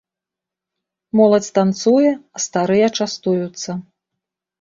Моладзь танцуе, а старыя частуюцца.